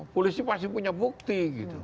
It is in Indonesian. polisi pasti punya bukti